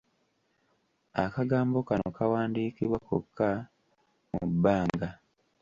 Akagambo kano kawandiikibwa kokka mu bbanga.